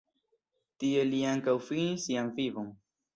Tie li ankaŭ finis sian vivon.